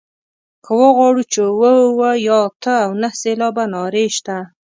که وغواړو چې اووه اووه یا اته او نهه سېلابه نارې شته.